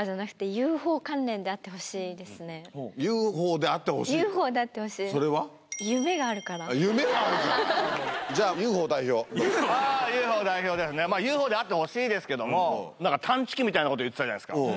ＵＦＯであってほしいですけども何か探知機みたいなこと言ってたじゃないですか。